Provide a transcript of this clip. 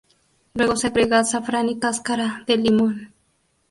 Luego se agrega azafrán y cáscara de limón.